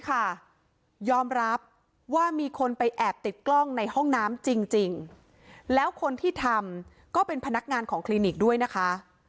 ยอมรับว่ามีคนไปแอบติดกล้องในห้องน้ำจริงแล้วคนที่ทำก็เป็นพนักงานของคลินิกด้วยนะคะ